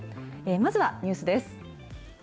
まずはニュースです。